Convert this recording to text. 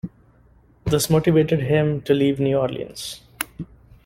This motivated him to leave New Orleans.